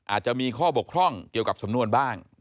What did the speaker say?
อาจจะมีข้อบกพร่องเกี่ยวกับสำนวนบ้าง